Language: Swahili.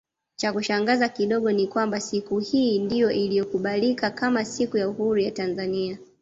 Chakushangaza kidogo ni kwamba siku hii ndio iliyokubalika kama siku ya uhuru ya Tanzania